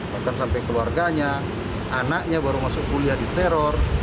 bahkan sampai keluarganya anaknya baru masuk kuliah di teror